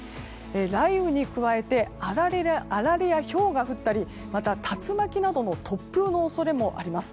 雷雨に加えてあられやひょうが降ったりまた、竜巻などの突風の恐れもあります。